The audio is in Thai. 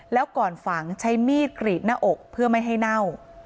แล้วก่อนฝังใช้มีดกรีดหน้าอกเพื่อไม่ให้เน่า